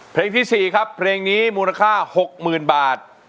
เพลงที่๔ครับเพลงนี้มูลค่า๖๐๐๐บาท